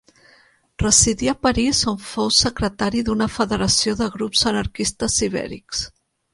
Residí a París on fou secretari d'una federació de grups anarquistes ibèrics.